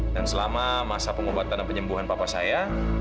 dan selama masa pengobatan dan penyembuhan papa saya